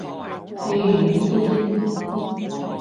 譬如呢啲